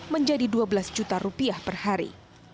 menjadi dua belas juta rupiah per hari